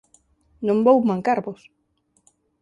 Non vou mancarvos.